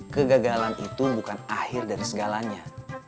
kegagalan itu bukan akhir dari segalanya